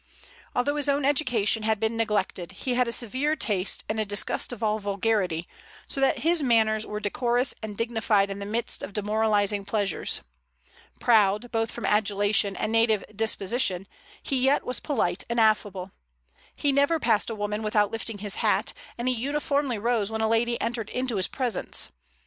Although his own education had been neglected, he had a severe taste and a disgust of all vulgarity, so that his manners were decorous and dignified in the midst of demoralizing pleasures. Proud, both from adulation and native disposition, he yet was polite and affable. He never passed a woman without lifting his hat, and he uniformly rose when a lady entered into his presence.